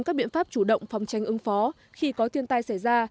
các biện pháp chủ động phòng tranh ứng phó khi có thiên tai xảy ra